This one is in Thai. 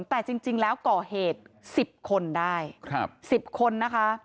แต่จริงแล้วก่อเหตุ๑๐คนได้๑๐คนนะคะ